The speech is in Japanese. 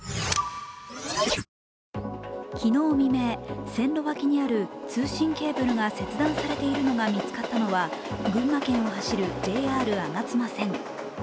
昨日未明、線路脇にある通信ケーブルが切断されているのが見つかったのは群馬県を走るＪＲ吾妻線。